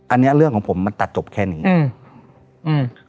อันนี้เรื่องของผมมันตัดจบแค่นี้อืม